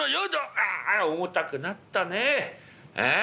ああ重たくなったねえ。